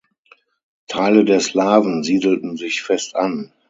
Teile der Slawen siedelten sich fest an.